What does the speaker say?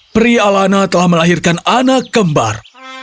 pria alana telah melahirkan anak kembar